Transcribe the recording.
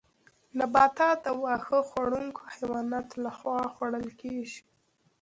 نباتات د واښه خوړونکو حیواناتو لخوا خوړل کیږي